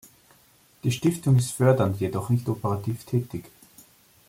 Die Stiftung ist fördernd, jedoch nicht operativ tätig.